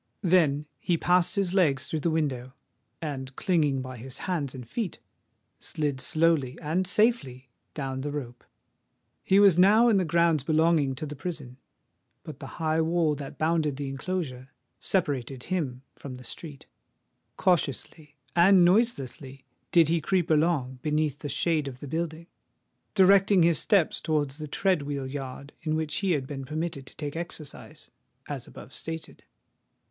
Then he passed his legs through the window; and clinging by his hands and feet, slid slowly and safely down the rope. He was now in the grounds belonging to the prison; but the high wall, that bounded the enclosure, separated him from the street. Cautiously and noiselessly did he creep along, beneath the shade of the building—directing his steps towards the tread wheel yard in which he had been permitted to take exercise, as above stated.